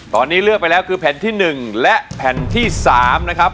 ตอนนี้เลือกไปแล้วคือแผ่นที่๑และแผ่นที่๓นะครับ